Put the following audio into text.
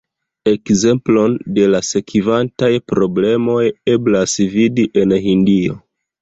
Ekzemplon de la sekvantaj problemoj eblas vidi en Hindio.